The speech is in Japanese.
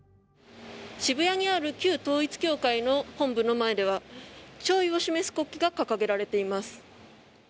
渋谷にある旧統一教会の本部の前では弔意を示す国旗が掲げられています。